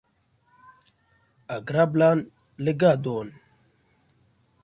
Agrablan legadon!